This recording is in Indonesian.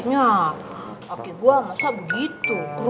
yang kita sama sama beli obat